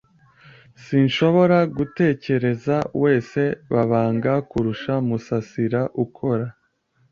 Sinshobora gutekereza wese babanga kurusha Musasira ukora.